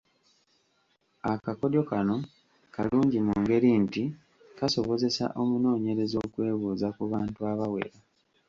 Akakodyo kano kalungi mu ngeri nti kasobozesa omunoonyereza okwebuuza ku bantu abawera.